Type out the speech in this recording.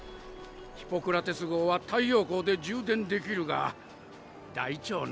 ヒポクラテス号は太陽光で充電できるが大腸内ではなぁ。